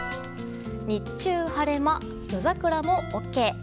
日中晴れ間、夜桜もＯＫ。